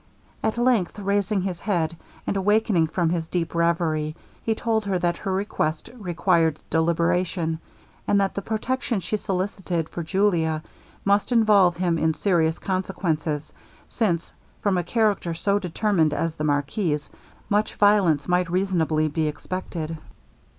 At length raising his head, and awakening from his deep reverie, he told her that her request required deliberation, and that the protection she solicited for Julia, might involve him in serious consequences, since, from a character so determined as the marquis's, much violence might reasonably be expected.